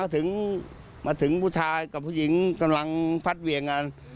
ถึงมาถึงผู้ชายกับผู้หญิงกำลังฟัดเหวี่ยงกัน